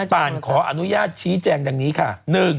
ป่านขออนุญาตชี้แจงดังนี้ค่ะ